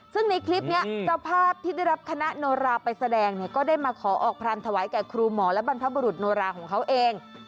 ซึ่งในคลิปนี้เจ้าภาพที่ได้รับคณะโนราไปแสดงเนี่ยก็ได้มาขอออกพรานถวายแก่ครูหมอและบรรพบุรุษโนราของเขาเอง